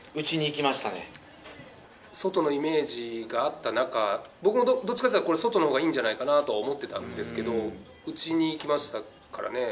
外のイメージがあった中、僕もどっちかっていったら、これ、外のほうがいいんじゃないかなぁと思ってたんですけど、内にいきましたからね。